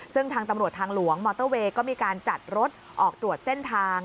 ซึ่งทางตำรวจทางหลวงมอเตอร์เวย์ก็มีการจัดรถออกตรวจเส้นทาง